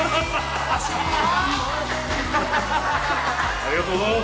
ありがとうございます！